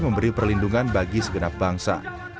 memberi perlindungan bagi segenap bangsa